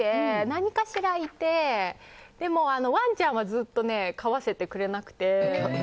何かしらいてでも、ワンちゃんはずっと飼わせてくれなくて。